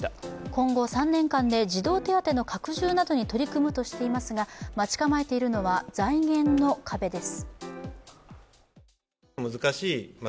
今後３年間で児童手当の拡充などに取り組むとしていますが待ち構えているのは財源の壁です。